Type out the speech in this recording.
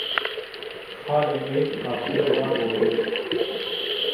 Xalê ey qatire ra robî